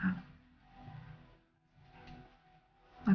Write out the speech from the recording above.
apa yang salah